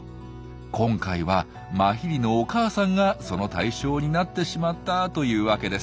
今回はマヒリのお母さんがその対象になってしまったというワケです。